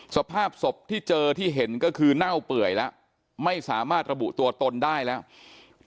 สภาพศพที่เจอที่เห็นก็คือเน่าเปื่อยแล้วไม่สามารถระบุตัวตนได้แล้ว